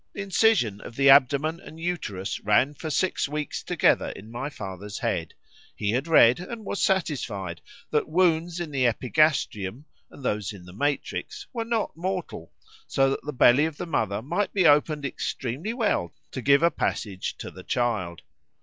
The incision of the abdomen and uterus ran for six weeks together in my father's head;——he had read, and was satisfied, that wounds in the epigastrium, and those in the matrix, were not mortal;—so that the belly of the mother might be opened extremely well to give a passage to the child.